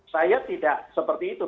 saya tidak seperti itu